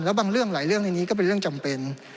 แล้วบางเรื่องหลายเรื่องในนี้ก็เป็นเรื่องจำเป็น